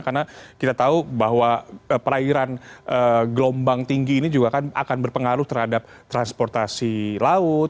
karena kita tahu bahwa perairan gelombang tinggi ini juga akan berpengaruh terhadap transportasi laut